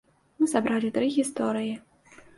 Мы сабралі тры гісторыі.